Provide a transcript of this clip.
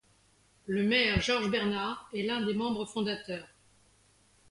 Le maire Georges Bernard est l'un des membres fondateurs.